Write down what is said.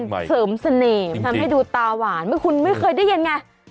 เสริมเสน่ห์ทำให้ดูตาหวานไม่คุณไม่เคยได้ยินไง